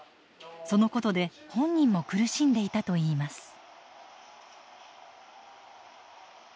そのことで本人も苦しんでいたといいます。